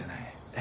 え？